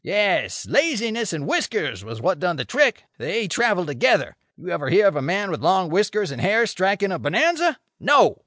Yes; laziness and whiskers was what done the trick. They travel together. You ever hear of a man with long whiskers and hair striking a bonanza? No.